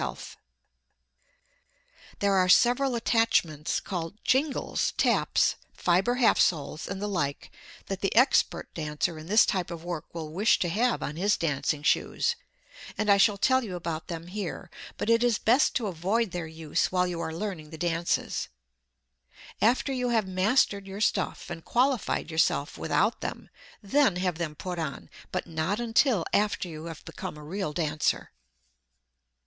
[Illustration: Fibre Toe] [Illustration: Coin Jingle] [Illustration: Heel Jingle] There are several attachments, called "jingles," "taps," fiber half soles, and the like, that the expert dancer in this type of work will wish to have on his dancing shoes, and I shall tell you about them here, but it is best to avoid their use while you are learning the dances. After you have mastered your stuff and qualified yourself without them, then have them put on, but not until after you have become a real dancer.